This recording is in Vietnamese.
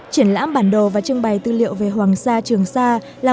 triển lãm bản đồ và trưng bày tư liệu về hoàng sa trường sa